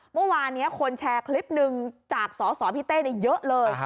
เมื่อวานนี้คนแชร์คลิปหนึ่งจากสสพี่เต้เยอะเลย